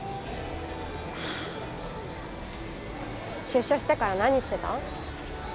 出所してから何してた？